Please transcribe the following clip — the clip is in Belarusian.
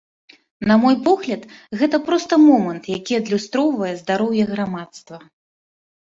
На мой погляд, гэта проста момант, які адлюстроўвае здароўе грамадства.